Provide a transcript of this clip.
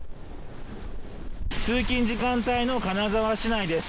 通勤時間帯の金沢市内です。